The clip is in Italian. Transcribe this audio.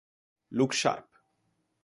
Look Sharp!